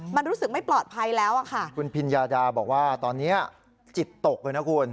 มันรู้สึกไม่ปลอดภัยแล้วอ่ะค่ะคุณพิญญาดาบอกว่าตอนนี้จิตตกเลยนะคุณ